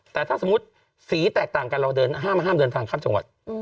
แต่ถ้าสมมุติสีแตกต่างกันเราเดินห้ามเดินทางข้ามจังหวัด